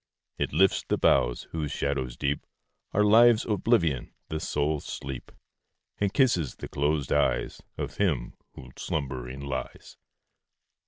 It lifts the boughs, whose shadows deep Are Life's oblivion, the soul's sleep, And kisses the closed eyes Of him, who slumbering lies.